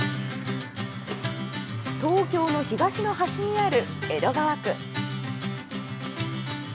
東京の東の端にある江戸川区。